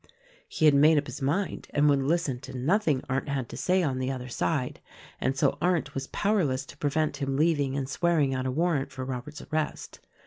He had made up his mind and would listen to nothing Arndt had to say on the other side, and so Arndt was powerless to prevent him leaving and swearing out a war rant for Robert's arrest.